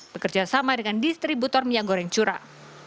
bekerja sama dengan distributor minyak goreng curah